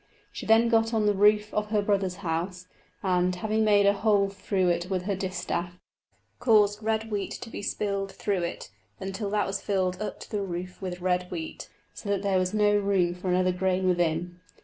She then got on the roof of her brother's house, and, having made a hole through it with her distaff, caused red wheat to be spilled through it, until that was filled up to the roof with red wheat, so that there was no room for another grain within.